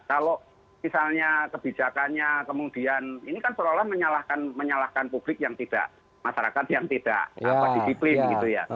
kalau misalnya kebijakannya kemudian ini kan seolah olah menyalahkan publik yang tidak masyarakat yang tidak disiplin gitu ya